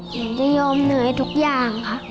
หนูจะยอมเหนื่อยทุกอย่างค่ะ